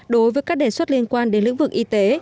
đối với các đề xuất liên quan đến lĩnh vực y tế